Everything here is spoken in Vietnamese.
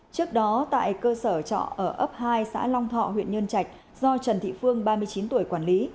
trước đó tại cơ sở trọ ở ấp hai xã long thọ huyện nhân trạch do trần thị phương ba mươi chín tuổi quản lý